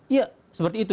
ya seperti itu